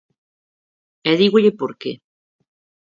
E dígolle por que.